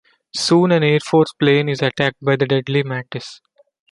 Soon an Air Force plane is attacked by the deadly mantis.